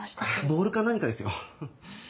ボールか何かですよ。